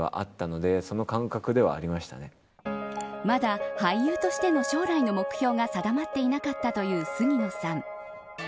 まだ俳優としての将来の目標が定まっていなかったという杉野さん。